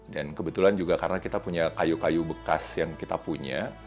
dan kebetulan juga karena kita punya kayu kayu bekas yang kita punya